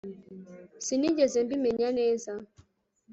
Sinigeze mbimenya neza